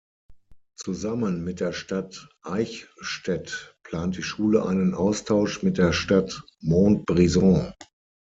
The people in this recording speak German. Zusammen mit der Stadt Eichstätt plant die Schule einen Austausch mit der Stadt Montbrison.